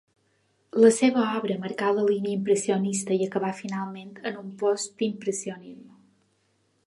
La seva obra marcà la línia impressionista i acabà finalment en un postimpressionisme.